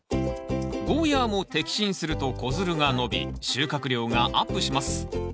ゴーヤーも摘心すると子づるが伸び収穫量がアップします。